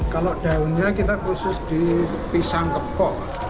kalau daunnya kita khusus di pisang kepok